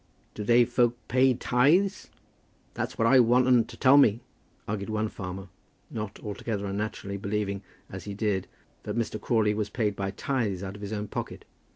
"Doo they folk pay tithes? That's what I want 'un to tell me?" argued one farmer, not altogether unnaturally, believing as he did that Mr. Crawley was paid by tithes out of his own pocket.